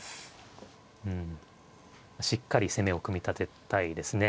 うんしっかり攻めを組み立てたいですね。